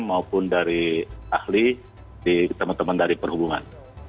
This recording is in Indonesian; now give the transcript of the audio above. maupun dari ahli teman teman dari perhubungan